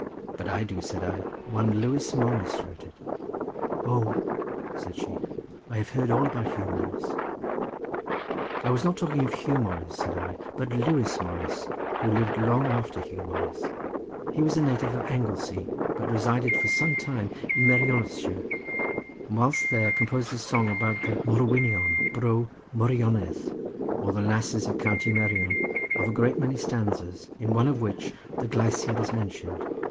"But I do," said I; "one Lewis Morris wrote it." "Oh," said she, "I have heard all about Huw Morris." "I was not talking of Huw Morris," said I, "but Lewis Morris, who lived long after Huw Morris. He was a native of Anglesea, but resided for some time in Merionethshire, and whilst there composed a song about the Morwynion bro Meirionydd, or the lasses of County Merion, of a great many stanzas, in one of which the gleisiad is mentioned.